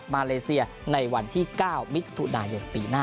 ไปดู